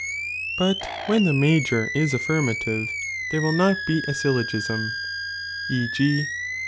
But when the major ia affirm ative there will not be a syllogism, e. g.